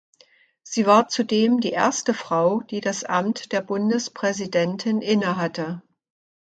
Sie war zudem die erste Frau, die das Amt der Bundespräsidentin innehatte.